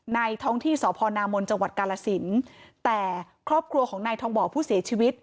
ท้องที่สพนามนจังหวัดกาลสินแต่ครอบครัวของนายทองบอกผู้เสียชีวิต